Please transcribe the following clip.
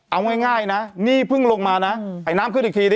เอาง่ายนะนี่เพิ่งลงมานะไอ้น้ำขึ้นอีกทีดิ